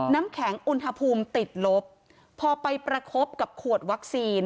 น้ำแข็งอุณหภูมิติดลบพอไปประคบกับขวดวัคซีน